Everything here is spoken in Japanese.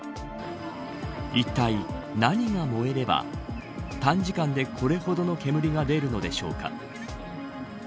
いったい何が燃えれば短時間で、これほどの煙が出るのでしょうか。